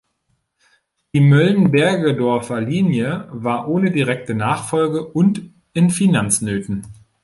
Die Mölln-Bergedorfer Linie war ohne direkte Nachfolge und in Finanznöten.